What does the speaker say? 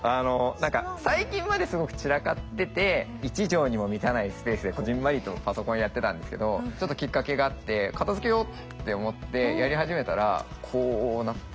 何か最近まですごく散らかってて１畳にも満たないスペースでこぢんまりとパソコンやってたんですけどちょっときっかけがあって片づけようって思ってやり始めたらこうなって。